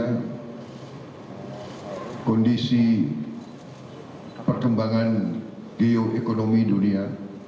dan juga kondisi perkembangan geoekonomi dunia